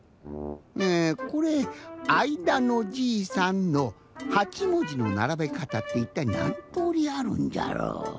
えこれ「あいだのじいさん」の８もじのならべかたっていったいなんとおりあるんじゃろう？